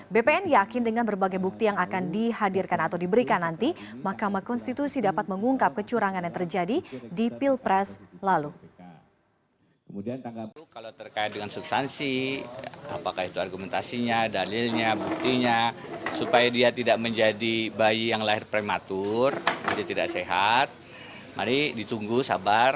bpn yakin dengan berbagai bukti yang akan dihadirkan atau diberikan nanti mahkamah konstitusi dapat mengungkap kecurangan yang terjadi di pilpres